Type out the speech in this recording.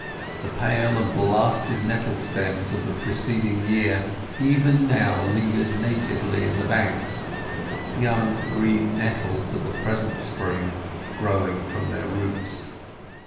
The pale and blasted nettle stems of the preceding year even now lingered nakedly in the banks, young green nettles of the present spring growing from their roots.